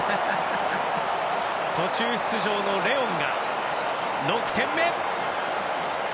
途中出場のレオンが６点目！